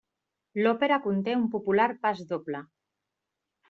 L'òpera conté un popular pasdoble.